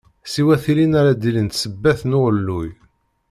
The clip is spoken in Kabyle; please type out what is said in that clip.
Siwa tilin ara d-ilint sebbat n uɣelluy.